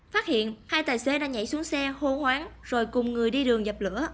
phát hiện hai tài xế đã nhảy xuống xe hô hoáng rồi cùng người đi đường dập lửa